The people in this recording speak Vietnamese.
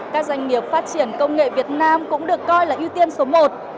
các doanh nghiệp phát triển công nghệ việt nam cũng được coi là ưu tiên số một